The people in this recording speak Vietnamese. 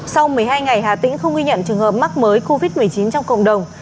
sau một mươi hai ngày hà tĩnh không ghi nhận trường hợp mắc mới covid một mươi chín trong cộng đồng